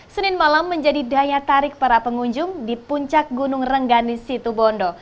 senin malam menjadi daya tarik para pengunjung di puncak gunung renggani situ bondo